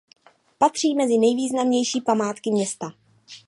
Patří mezi nejvýznamnější památky města.